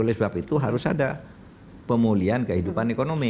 oleh sebab itu harus ada pemulihan kehidupan ekonomi